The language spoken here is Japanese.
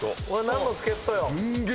何の助っ人よ？